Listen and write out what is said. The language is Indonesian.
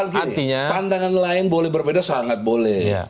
pandangan lain boleh berbeda sangat boleh